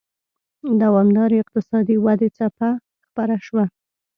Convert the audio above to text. د دوامدارې اقتصادي ودې څپه خپره شوه.